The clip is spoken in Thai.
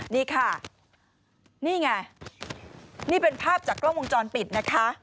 นี่ค่ะนี่ไงนี่เป็นภาพจากกล้องวงจรปิดนะคะ